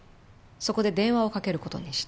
そこで電話をかける事にした。